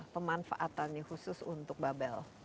pemanfaatannya khusus untuk babel